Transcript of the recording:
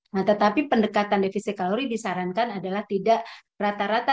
nah tetapi pendekatan defisit kalori disarankan adalah tidak rata rata